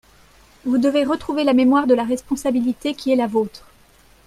Vous devez retrouver la mémoire de la responsabilité qui est la vôtre.